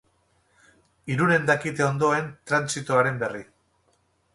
Irunen dakite ondoen trantsitoaren berri.